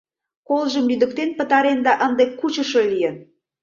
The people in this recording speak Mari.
Колжым лӱдыктен пытарен да ынде кучышо лийын.